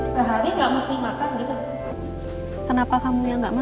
sehari nggak mesti makan gitu kenapa kamu yang nggak makan